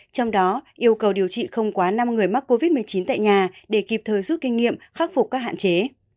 trong đó yêu cầu điều trị không quá năm người mắc covid một mươi chín tại nhà để kịp thời rút kinh nghiệm khắc phục các hạn chế